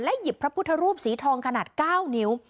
หยิบพระพุทธรูปสีทองขนาด๙นิ้ว